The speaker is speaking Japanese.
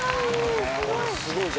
すごい！